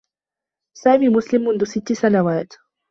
سامي مسلم منذ ستّ سنوات.